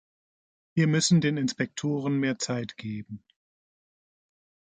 Wir müssen den Inspektoren mehr Zeit geben.